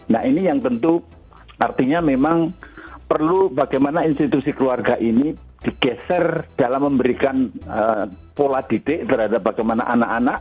nah ini yang tentu artinya memang perlu bagaimana institusi keluarga ini digeser dalam memberikan pola didik terhadap bagaimana anak anak